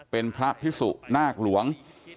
เป็นพระพิสุนาคหลวง